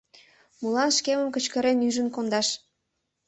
Молан шкемым кычкырен ӱжын кондаш?